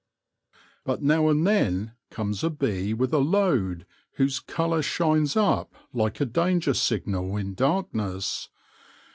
But now and then comes a bee with a load. whose colour shines up like a danger signal in darkness.